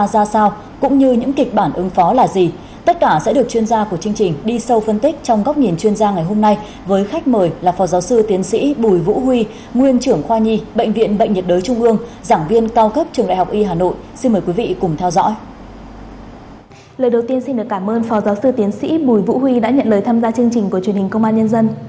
đã nhận lời tham gia chương trình của truyền hình công an nhân dân